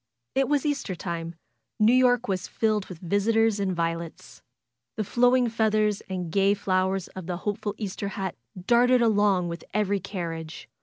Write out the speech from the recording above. It was Easter time. New York was filled with vis itors and violets. The flowing feathers and gay flow ers of the hopeful Easter hat darted along with every carriage.